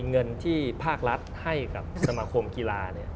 ค่อยดูเมืองที่พลาดให้กับสมคมกีฬา